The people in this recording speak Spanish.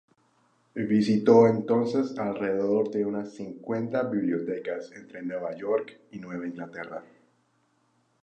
Visitó entonces alrededor de unas cincuenta bibliotecas entre Nueva York y Nueva Inglaterra.